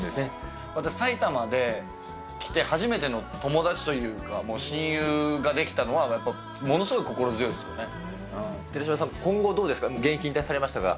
また、埼玉で、来て初めての友達というか、もう親友が出来たのは、やっぱりものすごい心強い寺島さん、今後どうですか、現役引退されましたが。